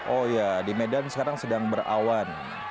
oh ya di medan sekarang sedang berawan